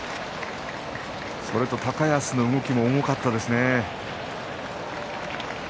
それと高安の動きも重かったですね。